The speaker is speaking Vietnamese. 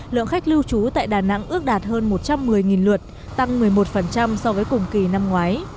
lượng khách lưu trú tại đà nẵng ước đạt hơn một trăm một mươi lượt tăng một mươi một so với cùng kỳ năm ngoái